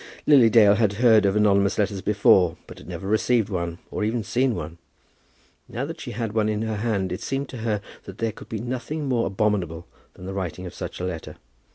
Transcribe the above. Lily Dale had heard of anonymous letters before, but had never received one, or even seen one. Now that she had one in her hand, it seemed to her that there could be nothing more abominable than the writing of such a letter.